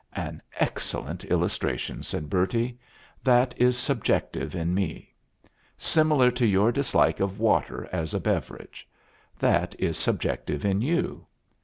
"An excellent illustration," said Bertie. "That is subjective in me. Similar to your dislike of water as a beverage. That is subjective in you.